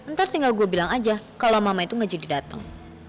ntar tinggal gua bilang aja kalo mamah itu ga jadi dateng